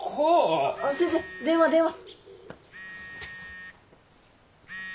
先生電話電話。